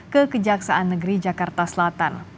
ke kejaksaan negeri jakarta selatan